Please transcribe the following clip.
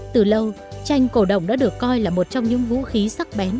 từ lâu tranh cổ động đã được coi là một trong những vũ khí sắc bén